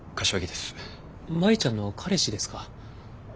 舞ちゃんの彼氏ですか。